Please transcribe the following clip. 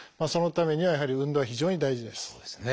そのためにはやはり運動は非常に大事です。